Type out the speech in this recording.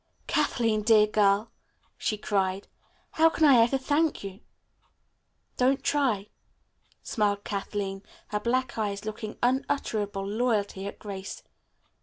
"Kathleen, dear girl," she cried. "How can I ever thank you?" "Don't try," smiled Kathleen, her black eyes looking unutterable loyalty at Grace.